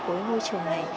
với ngôi trường này